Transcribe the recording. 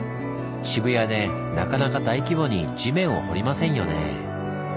渋谷でなかなか大規模に地面を掘りませんよね。